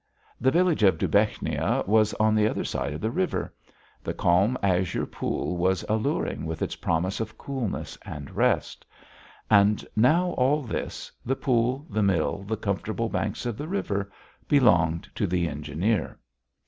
The village of Dubechnia was on the other side of the river. The calm, azure pool was alluring with its promise of coolness and rest. And now all this, the pool, the mill, the comfortable banks of the river, belonged to the engineer!